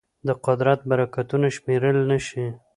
د قدرت برکتونه شمېرل نهشي.